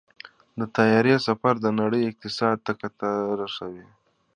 د طیارې سفر د نړۍ اقتصاد ته ګټه رسوي.